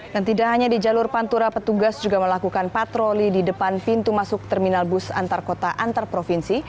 dan tidak hanya di jalur pantura petugas juga melakukan patroli di depan pintu masuk terminal bus antar kota antar provinsi